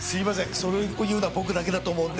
それを言うのは僕だけだと思うんで。